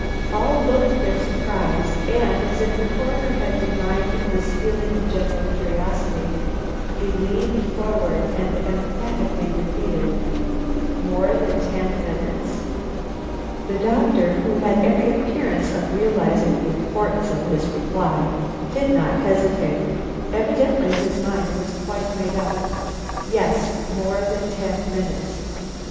All looked their surprise, and, as if the Coroner had divined this feeling of general curiosity, he leaned forward and emphatically repeated: "More than ten minutes?" The doctor, who had every appearance of realizing the importance of his reply, did not hesitate. Evidently his mind was quite made up. "Yes; more than ten minutes."